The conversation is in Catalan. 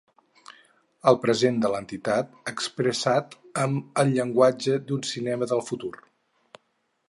El present de l’entitat expressat amb el llenguatge d’un cinema del futur.